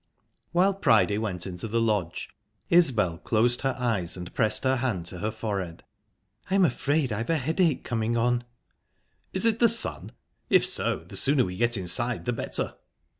While Priday went into the lodge Isbel closed her eyes and pressed her hand to her forehead. "I'm afraid I've a headache coming on." "Is it the sun? If so, the sooner we get inside, the better."